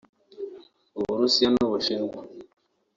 Uburusiya n’Ubushinwa